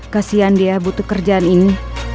kasian dia butuh kerjaan ini